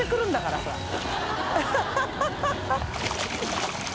ハハハ